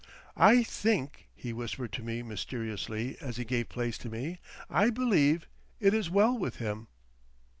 "I think," he whispered to me mysteriously, as he gave place to me, "I believe—it is well with him."